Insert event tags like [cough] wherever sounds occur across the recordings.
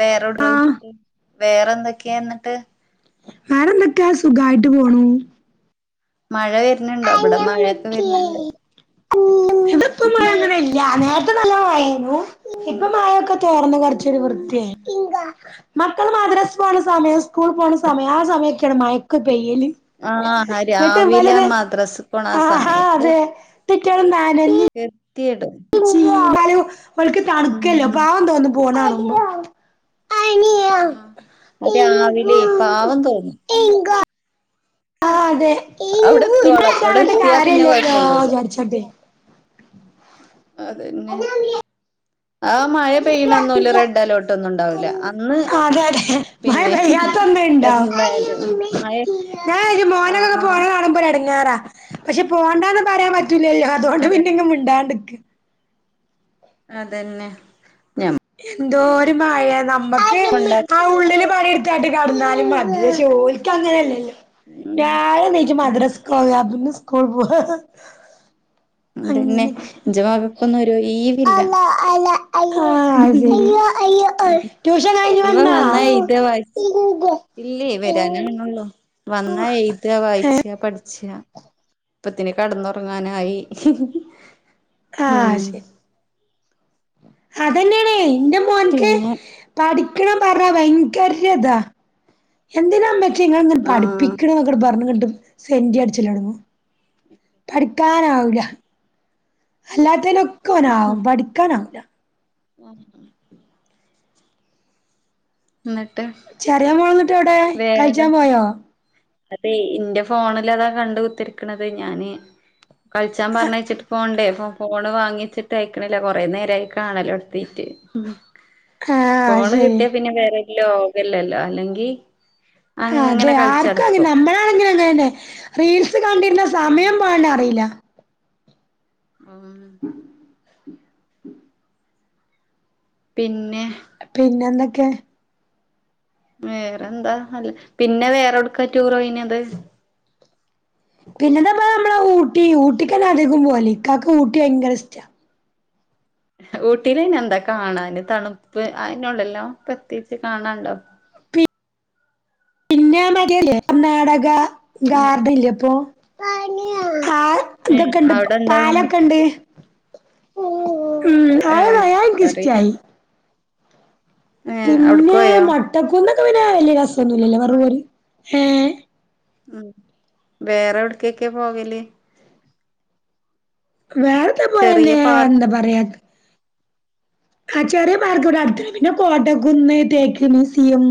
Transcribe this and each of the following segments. വേറെ ആഹ് ഡ്രോയിട്ട് വേറെ എന്തൊക്കെയാ എന്നിട്ട് വേറെന്തൊക്കെയാ സുഖായിട്ട് പോണു മഴ വരുന്നുണ്ടോ ഇവിടെ മഴയൊക്കെ വരുന്നുണ്ട് ഇത് ഇപ്പോ മഴ അങ്ങനെ ഇല്ല നല്ല മഴ അയിനു ഇപ്പ മായൊക്കെ തോർന്നു കുറച്ചൊരു വൃത്തിയായി മക്കൾ മദ്രസ് പോകണ സമയം സ്കൂൾ പോണ സമയം ആഹ് സമയക്കെയാണ് മയക്ക് പെയ്യല് ആഹ് രാവിലെ മദ്രാസ് ആഹ് അതെ കുട്ട്യോൾ നാനഞ്ഞ് എത്തിയട്ട് [unintelligible] ഒലക് തണുക്കല്ലോ ഉം അപ്പൊ പാവം തോന്നും പോണ കാണുമ്പോ അനിയ ആഹ് അതെ ആഹ് രാവിലേ പാവം തോന്നും എംഗ ആഹ് അവിടെ അതെ എത്തോളം [unintelligible] അവിടെ എത്തിയാ ഇല്ലാലോ പിന്നെ എന്ന് കൊഴപ്പൊന്നുല്ല വിചാരിച്ചിടെ അത് തന്നെ അതെ ആഹ് മഴ പെയ്യണ അന്ന് റെഡ് അലേർട്ട് ഒന്നും ഉണ്ടാവൂല്ല അന്ന് അതെ അതെ മഴ പിന്നെ പെയ്യാത്തന്നും ഇണ്ടാവ എന്തായാലും മഴ ഞാൻ ഇരു മോനുകളൊക്കെ ആഹ് പോയ കാണുമ്പം ഒരു ഇടങ്ങേറ പക്ഷെ പോണ്ടന്ന് പറയാൻ പറ്റൂലല്ലോ അതുകൊണ്ട് അതെ പിന്നെ ഇങ്ങ് മിണ്ടാണ്ട്ക്ക് അതന്നെ ഞമ്മ എന്തോരം മഴയാ നമ്മുക്ക് കൊണ്ട ആഹ് ഉള്ളില് പണി എടുത്തായിട്ട് കിടന്നാലും മതി പക്ഷേ ഓൾക്ക് അങ്ങനെ അല്ലല്ലോ ഉം രാവിലെ എണീറ്റ് ഉം മദ്രാസക്ക് പോണം അവിടന്നു സ്കൂൾ പോവാ അത് തന്നെ അങ്ങനെയൊക്കെ ജുമാക്ക്‌ ഒക്ക ഒന്നും ഒരു ലീവ് ഇല്ല [inaudible] [unintelligible] ശരി അയ്യോ അയ്യോ ട്യൂഷൻ കഴിഞ്ഞ് വന്നാ ഇല്ലേ വരാനേ അവനുളു വന്നാ എഴുത വായിച്ച ഏഹ് പഠിച ഇപ്പത്തിന് കട്ന്നൊറങ്ങാനായി ആഹ് ശരി അതന്നെണേ ന്റെ മോൻക്ക് പിന്നെ പഠിക്കണം പറഞ്ഞ ഭയങ്കരതാ എന്തിനാ മ്മച്ചിയെ ഇങ്ങള് ഇങ്ങനെ പഠിപ്പിക്ക്ണെ ആഹ് ങ്ങട്ട് പറഞ്ഞ്ങ്ങട്ട് സെന്റി അട്ച്ചലൊടങ്ങും പഠിക്കാനാവൂല്ല അല്ലാത്തേനൊക്കെ ഒനാവും പഠിക്കാനാവൂല്ല [unintelligible] ന്നട്ട് ചറിയ മോള്ന്ന്ട്ട് എവിടെ കൾച്ചാൻ പോയോ അതെ ന്റെ ഫോണിലതാ കണ്ട് കുത്തർക്ക്ണത് ഞാന് കൾച്ചാൻ പർഞ്ഞേച്ചിട്ട് പോണ്ടേ ഫോ ഫോണ് വാങ്ങിയച്ചിട്ട് അയക്ക്ണില്ല കൊറേ നേരായി കാണലൊട്ത്തിട്ട് ആഹ് അത് ഫോണ് ശരി കിട്ടിയാ പിന്നെ വേറൊരു ലോകല്ലല്ലോ അല്ലെങ്കി അതെ അങ്ങനെ ആർക്കാ കളിച്ചടക്കും നമ്മളാണെങ്കിലും അങ്ങനെന്നെ റീൽസ് കണ്ടിര്ന്ന സമയം പോണെന്നറില്ല ആഹ് പിന്നെ പിന്നെന്തൊക്കെ വേറെന്താ നല്ലെ പിന്നെ വേറോട്ക്കാ ടൂർ പോയിന്യെത്. പിന്നെതാ നമ്മളെ ഊട്ടി ഊട്ടിക്കെന്നെ അധികും പോല് ഇക്കാക്ക് ഊട്ടി ഭയങ്കര ഇഷ്ട്ടാ ഊട്ടില് അയ്നെന്താ കാണാന് തണുപ്പ് അയ്നൊള്ളെല്ലോ പ്രത്യേകിച്ച് കാണാണ്ടോ പിന്നെ ആ മറ്റേ കർണാടക ഉം ഗാർഡൻല്ലെ പ്പൊ ആ ഏ ഇതൊക്കെണ്ട് അവിടെന്താ കാണ പാലൊക്കെണ്ട് ഉം ആ ഏ അയ്ൻക് ഇഷ്ടായി ഏ അഉട്ക്ക് പോയോ ട്ടകുന്നൊക്കെ പിന്നെ വല്യ രസൊന്നുല്ലല്ലേ വെറും ഒര് ഏ ഉം വേറെ വ്ട്ക്കെക്കെ പോകല് വേറെ തേ ചെറിയ പോലെന്നെ എന്താ പാർക്ക് പറയാ ആ ചെറിയ പാർക്ക് വെടെ അട്ത്ത്ണ്ട് പിന്നെ കോട്ടക്കുന്ന് തേക്ക് മീസിയം.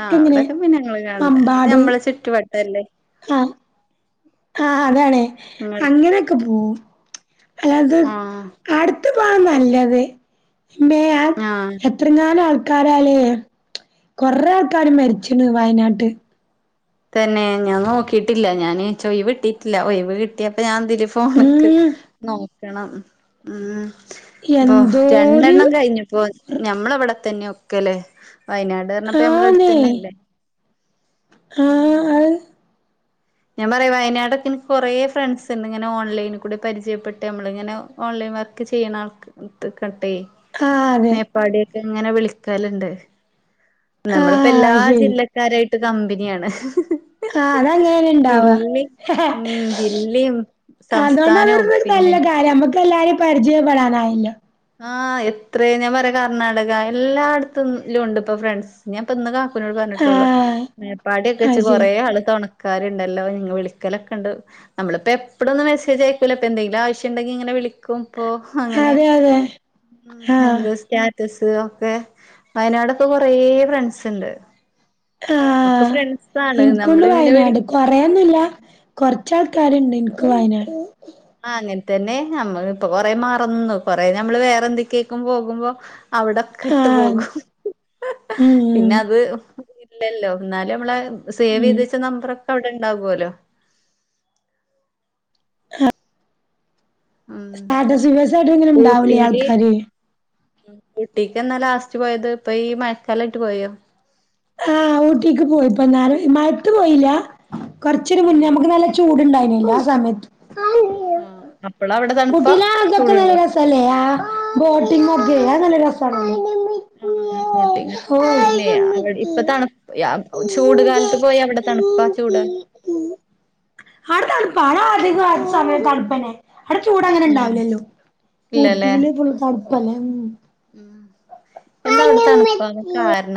ആഹ് അവിടൊക്കെ പിന്നെ ങ്ങള് കാണ്ന്ന മമ്പാട് ഞമ്മളെ ചുറ്റുവട്ടല്ലേ ആ ആഹ് അതാണേ നിങ്ങൾ അങ്ങനൊക്കെ പോവും അല്ലത് ആഹ് അട്ത് പോവാ നല്ലത് മ്മേ ആ ആഹ് എ ത്രങ്ങാനും ആൾക്കാരാലേ കൊറെ ആൾക്കാര് മരിച്ചിണ് വയനാട്ട് തന്നെ ഞാൻ നോക്കിട്ടില്ല ഞാന് ച്ച് ഒഴിവ് കിട്ടിട്ടില്ല ഒഴിവ് കിട്ടിയപ്പ ഞാൻ തില് ഫോണ്ക്ക് ഉം നോക്കണം ഉം പ്പൊ എന്തോര് രണ്ടെണ്ണം കഴിഞ്ഞുപ്പോ ഞമ്മളെ വ്ടെത്തന്നെ ഒക്കെലെ വയനാട്ർഞ്ഞപ്പോ ആന്നേ ഞമ്മളട്ത്തന്നെല്ലേ. ആഹ് അ ഞാൻ പറയാ വയനാടൊക്കെ ഇൻക് കൊറേ ഫ്രണ്ട്സ്ണ്ട് ഇങ്ങനെ ഓൺലൈൻ കൂടെ പരിചയപ്പെട്ട് മ്മളിങ്ങനെ ഓൺലൈൻ വർക്ക് ചെയ്യ്ണ ആൾത് ക്കട്ടെ ആഹ് അതെ പാടെക്കെ ങ്ങനെ വിളിക്കല്ണ്ട് നമ്മള്പ്പോ ആഹ് എല്ലാ അത് ശരി ജില്ല ക്കാരായിട്ട് കമ്പനിയാണ് ആഹ് അതങ്ങനെന്നെണ്ടാവാ ജില്ലയും ഉം ജില്ലയും സംസ്ഥാനവും അതോണ്ടതൊരു നല്ല പിന്നെ കാര്യാ മ്മക്കെല്ലാരിം പരിചയപ്പെടാനായെല്ലോ ആഹ് എത്ര ഞാൻ പറയാ കർണാടക എല്ലാട്ത്തിലുംണ്ട് പ്പൊ ഫ്രണ്ട്സ് ഞാൻ പ്പന്ന് കാക്കുനോട് പർഞ്ഞ്ട്ടൊള്ളൂ ആഹ് മേപ്പാടി ഒക്കെ ച്ച് അത് ശരി കൊറേ ആള് തൊണ ക്കാര്ണ്ടല്ലോ നിങ്ങൾ വിളിക്കലൊക്കെ ഇണ്ട് നമ്മളിപ്പോ എപ്പളൊന്നും മെസേജയൂക്കല്ല ഇപ്പൊ എന്തങ്കിലും ആവശ്യണ്ടെങ്കിൽ ഇങ്ങനെ വിളിക്കു ഇപ്പൊ അങ്ങനെ അതെ അതെ ഉം ആഹ് എന്ത് സ്റ്റാറ്റസ് ഒക്കെ വയനാടൊക്കെ കൊറെ ഫ്രണ്ട്സ് ഇണ്ട് ഒക്കെ ആഹ് ഫ്രണ്ട്സാണ് ഇൻക്കുണ്ട് നമ്മള് ഇങ്ങനെ വിളി വയനാട് കൊറേയൊന്നുല്ല കൊറച്ചാൾക്കാര്ണ്ട് എൻക്ക് വയനാട് ആഹ് അങ്ങൻതന്നെ നമ്മള്പ്പൊ കൊറേ മറന്നു കൊറേ നമ്മള് വേറെ എന്തെക്കേക്കും പോകുമ്പോ അവിടക് ക്ക്ട്ട് ആഹ് പോകും. ഉം പിന്നെ ഉം അത് ഇല്ലല്ലോ എന്നാലും നമ്മളെ സേവ് ഉം ചെയ്തുവെച്ച നമ്പറൊക്കെ അവിടെ ഇണ്ടാവുഅല്ലോ [unintelligible] ഉം സ്റ്റാറ്റസ് വ്യൂവേഴ്സായിട്ട് ഇങ്ങനെ ഇണ്ടാവൂലേ ഊട്ടീല് ആൾക്കാര് ഊട്ടീക്ക് എന്നാ ലാസ്റ്റ് പോയത്? ഇപ്പൊ ഈ മഴക്കാലായിട്ട് പോയോ? ആഹ് ഊട്ടിക്ക് പോയി ഇപ്പൊന്നാള് മഴത്തു പോയില്ല്യ കുറച്ചൊരു മുന്നേ ഉം ഞമുക്ക് നല്ല ചൂടുണ്ടായിനീല്ലാ ആ സമയത്ത് ആഹ് അപ്പളവിട തണുപ്പ ചൂടുണ്ട? ഇപ്പല്ലയാ ബോട്ടിംഗ് ഒക്കെ അത് നല്ല രസാണ്. ഉം ബോട്ടിങ് പിന്നെ അവിട് ഇപ്പത്തണു യാം ഒ ചൂട് കാലത്ത് പോയവിടെ തണുപ്പാ ചൂട് ആട തണുപ്പാ ആടാ അധികോ അത് സമയം തണുപ്പന്നെ ആടെ ചൂട് അങ്ങനെ ഉം ഇണ്ടാവലല്ലോ. ഇല്ലല്ലേ ഊട്ടിയില് ഫുൾ തണുപ്പല്ലേ ഉം ഉം എന്താ അവ്ട തണുപ്പാകാൻ ഉം കാര്ണം